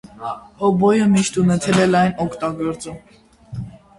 Հոբոյը միշտ ունեցել է լայն օգտագործում։